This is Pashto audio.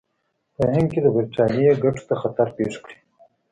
په هند کې د برټانیې ګټو ته خطر پېښ کړي.